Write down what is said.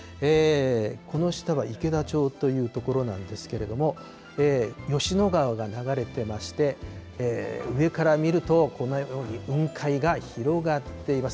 この下は池田町という所なんですけれども、吉野川が流れてまして、上から見ると、このように雲海が広がっています。